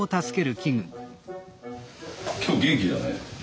今日元気だね。